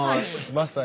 まさに。